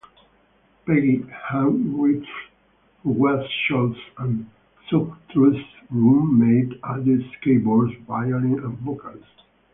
Peggy Hambright, who was Stutz and Sughrue's roommate, added keyboards, violin and vocals.